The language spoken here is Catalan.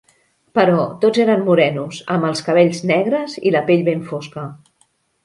Però tots eren morenos, amb els cabells negres i la pell ben fosca.